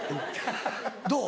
どう？